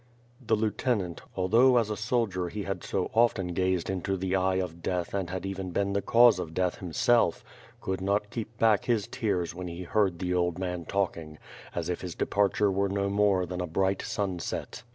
..." The lieutenant, although as a soldier he had so often gazed into the eye of death and had even been the cause of death himself, could not keep back his tears when he heard the old man talking, as if his departure were no more than a bright sunset.